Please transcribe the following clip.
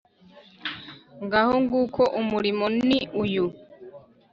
Ngaho nguko umurimo ni uyu